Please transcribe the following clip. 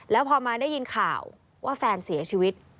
แล้วพอมาได้ยินข่าวว่าแฟนเสียชีวิต